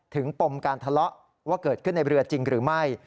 ปมการทะเลาะว่าเกิดขึ้นในเรือจริงหรือไม่